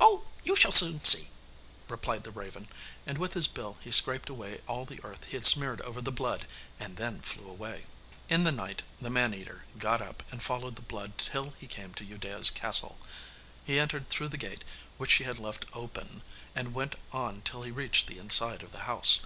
'Oh, you shall soon see,' replied the raven, and with his bill he scraped away all the earth he had smeared over the blood and then flew away. In the night the man eater got up, and followed the blood till he came to Udea's castle. He entered through the gate which she had left open, and went on till he reached the inside of the house.